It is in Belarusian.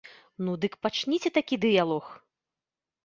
Ну дык пачніце такі дыялог!